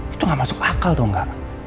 itu gak masuk akal tau ngga